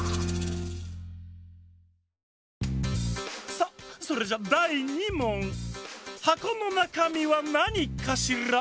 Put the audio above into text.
「」「」さあそれじゃだい２もん！はこのなかみはなにかしら？